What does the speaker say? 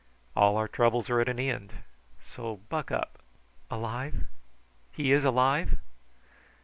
All our troubles are at an end; so buck up." "Alive? He is alive?"